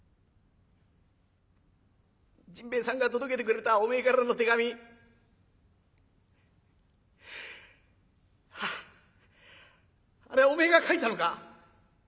甚兵衛さんが届けてくれたおめえからの手紙あれおめえが書いたのか？